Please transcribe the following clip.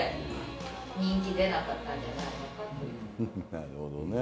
なるほどね。